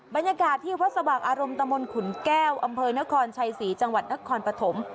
บรรยากาศที่วัดสว่างอารมณ์ตะมนต์ขุนแก้วอำเภอนครชัยศรีจังหวัดนครปฐม